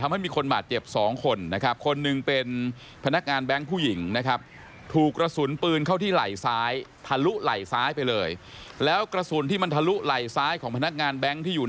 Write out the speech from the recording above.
ไม่น่าเชื่อนะครับ